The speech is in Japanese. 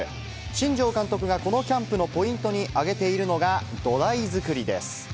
新庄監督がこのキャンプのポイントに挙げているのが、土台作りです。